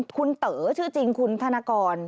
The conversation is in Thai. คุณเต๋อชื่อจริงคุณทันนาคอล